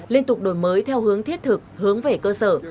liên tục đổi mới theo hướng thiết thực hướng về cơ sở